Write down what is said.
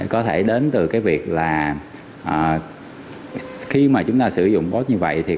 có thể đến từ việc khi chúng ta sử dụng robot như vậy